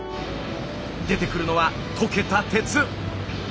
出てくるのは溶けた鉄。